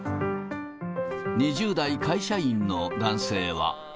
２０代会社員の男性は。